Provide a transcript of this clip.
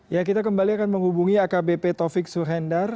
ya kita kembali akan menghubungi akbp taufik suhendar